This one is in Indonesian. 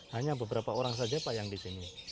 hanya beberapa orang saja pak yang di sini